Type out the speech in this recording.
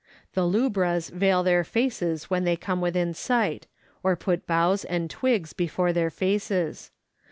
The lubras veil their faces when they come within sight, or put boughs and twigs before their faces.